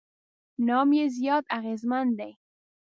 نام یې زیات اغېزمن دی.